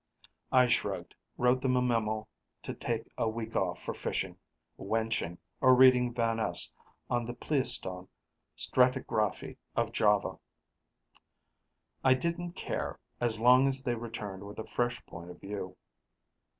I shrugged, wrote them a memo to take a week off for fishing, wenching, or reading Van Es on the Pleistocene stratigraphy of Java. I didn't care, as long as they returned with a fresh point of view.